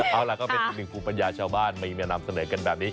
เอาล่ะก็เป็นอีกหนึ่งภูมิปัญญาชาวบ้านมีมานำเสนอกันแบบนี้